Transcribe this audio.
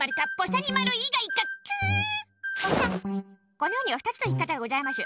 この世には２つの生き方がごじゃいましゅ。